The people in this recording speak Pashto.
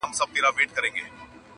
o پاچا سر سلامت د یوه سوال که اجازت وي,